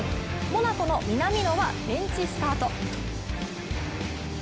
モナコの南野はベンチスタート。